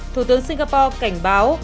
thủ tướng singapore cảnh báo